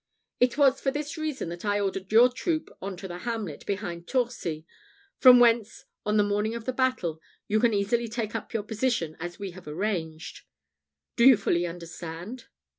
It was for this reason that I ordered your troop on to the hamlet behind Torcy, from whence, on the morning of the battle, you can easily take up your position as we have arranged. Do you fully understand?"